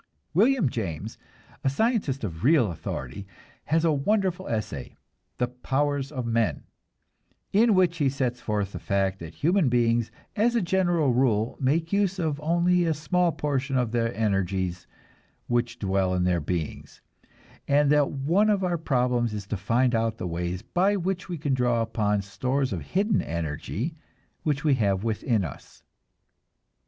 William James, a scientist of real authority, has a wonderful essay, "The Powers of Men," in which he sets forth the fact that human beings as a general rule make use of only a small portion of the energies which dwell in their beings, and that one of our problems is to find the ways by which we can draw upon stores of hidden energy which we have within us.